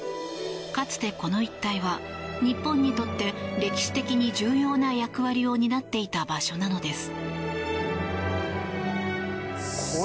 かつて、この一帯は日本にとって歴史的に重要な役割を担っていた場所なのです。